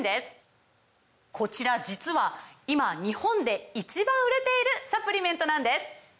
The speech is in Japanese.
こちら実は今日本で１番売れているサプリメントなんです！